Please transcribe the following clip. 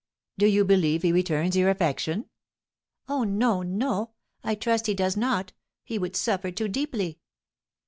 "Do you believe he returns your affection?" "Oh, no, no! I trust he does not! He would suffer too deeply."